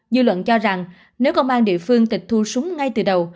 dư luận cho rằng nếu công an địa phương tịch thu súng ngay từ đầu